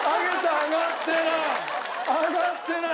上がってない。